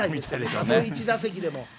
たとえ１打席でも。